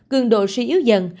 cường độ suy yếu dần